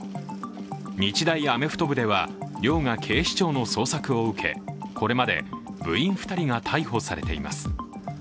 日大アメフト部では寮が警視庁の捜索を受け、これまで部員２人が逮捕されています。